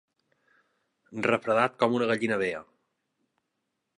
Refredat com una gallina vella.